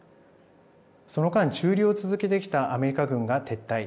その間、駐留を続けてきたアメリカ軍が撤退。